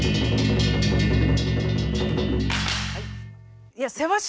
はい。